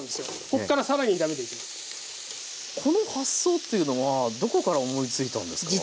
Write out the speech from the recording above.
この発想というのはどこから思いついたんですか？